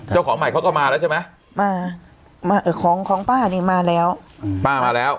เจ้าของใหม่เขาก็มาแล้วใช่ไหมมามาของของป้านี่มาแล้วอืมป้ามาแล้ว